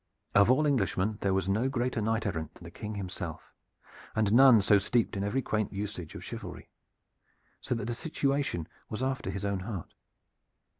Of all Englishmen there was no greater knight errant than the King himself, and none so steeped in every quaint usage of chivalry; so that the situation was after his own heart.